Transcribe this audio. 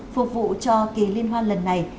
phục vụ cho kỳ liên hoàn lần này